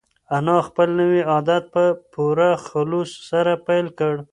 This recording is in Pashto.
انا خپل نوی عبادت په پوره خلوص سره پیل کړ.